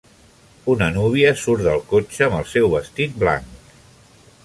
Una núvia surt del cotxe amb el seu vestit blanc.